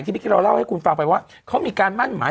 เมื่อกี้เราเล่าให้คุณฟังไปว่าเขามีการมั่นหมาย